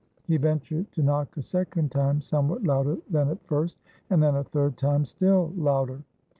He ventured to knock a second time somewhat louder than at first, and then a third time, still louder.